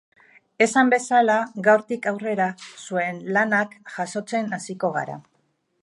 Esan bezala, gaurtik aurrera zuen lanak jasotzen hasiko gara.